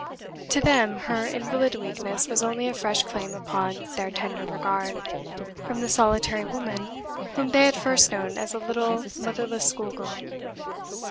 To them her invalid weakness was only a fresh claim upon their tender regard, from the solitary woman, whom they had first known as a little, motherless school girl.